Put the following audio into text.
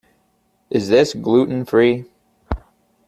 Is this gluten-free?